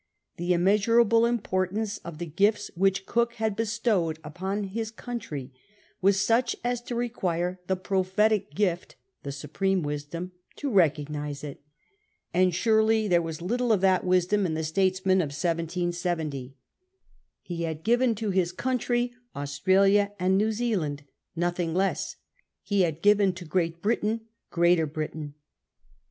The immeasurable importance of the gifts which Cook had bestowed upon his country was such as to require the prophetic gift — the supreme wisdom — to recognise it; 84 CAPTAIN COOK CHAP. and surely there was little of that wisdom in the states men of 1770. He had given to his country Australia and New Zealand — nothing less; he haxl given to Great Britain Greater Britain.